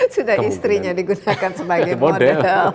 sudah istrinya digunakan sebagai model